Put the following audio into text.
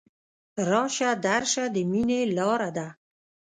راشه درشه د ميني لاره ده